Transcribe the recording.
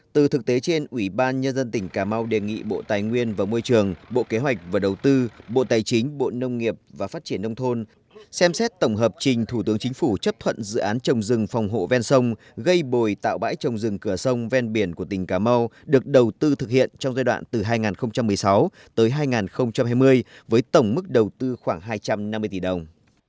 từ thực tế trên ủy ban nhân dân tỉnh cà mau đề nghị bộ tài nguyên và môi trường bộ kế hoạch và đầu tư bộ tài chính bộ nông nghiệp và phát triển nông thôn xem xét tổng hợp trình thủ tướng chính phủ chấp thuận dự án trồng rừng phòng hộ ven sông gây bồi tạo bãi trồng rừng cửa sông ven biển của tỉnh cà mau được đầu tư thực hiện trong giai đoạn từ hai nghìn một mươi sáu tới hai nghìn hai mươi với tổng mức đầu tư khoảng hai trăm năm mươi tỷ đồng